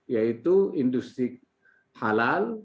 yaitu industri halal